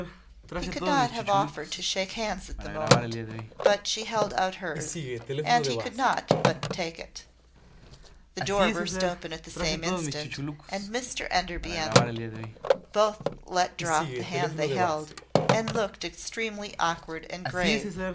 He could not have offered to shake hands at the moment; but she held out hers, and he could not but take it. The door burst open at the same instant, and Mr Enderby entered. Both let drop the hand they held, and looked extremely awkward and grave.